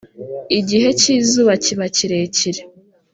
igihe cy’izuba kiba kirekire